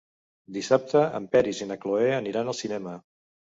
Dissabte en Peris i na Cloè aniran al cinema.